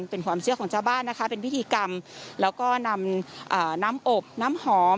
เป็นความเชื่อของชาวบ้านนะคะเป็นพิธีกรรมแล้วก็นำน้ำอบน้ำหอม